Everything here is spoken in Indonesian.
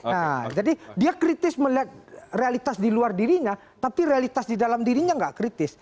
nah jadi dia kritis melihat realitas di luar dirinya tapi realitas di dalam dirinya nggak kritis